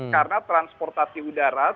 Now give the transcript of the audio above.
karena transportasi udara